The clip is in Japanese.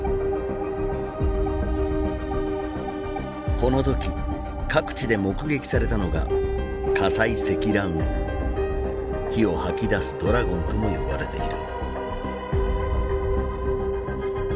この時各地で目撃されたのが火を吐き出すドラゴンとも呼ばれている。